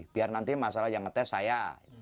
biar nanti masalah yang ngetes saya